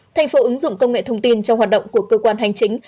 thành phố ứng dụng công nghệ thông tin trong hoạt động của cơ quan hành chính